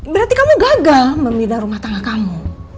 berarti kamu gagal membina rumah tangga kamu